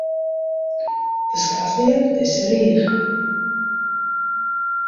Beskoattelje dizze rige.